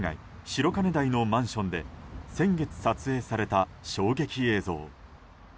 白金台のマンションで先月撮影された衝撃映像。